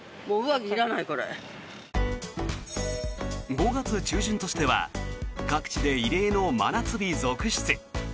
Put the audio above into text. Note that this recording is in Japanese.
５月中旬としては各地で異例の真夏日続出。